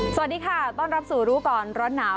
สวัสดีค่ะต้อนรับสู่รู้ก่อนร้อนหนาว